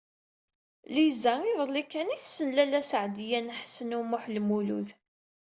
Lisa iḍelli kan ay tessen Lalla Seɛdiya n Ḥsen u Muḥ Lmlud.